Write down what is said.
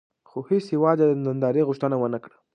خو هېڅ هېواد یې د نندارې غوښتنه ونه کړه.